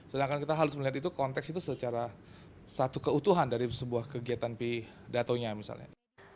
sedangkan kita harus melihat itu konteks itu secara satu keutuhan dari sebuah kegiatan pidatonya misalnya